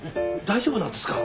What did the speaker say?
大丈夫なんですか？